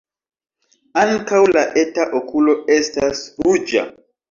Ankaŭ la eta okulo estas ruĝa.